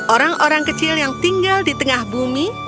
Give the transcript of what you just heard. orang orang kecil yang tinggal di tengah bumi